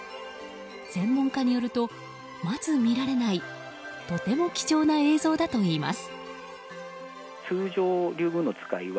専門家によると、まず見られないとても貴重な映像だといいます。